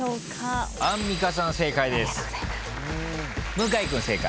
向井君正解。